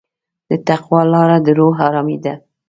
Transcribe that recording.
د تقوی لاره د روح ارامي ده.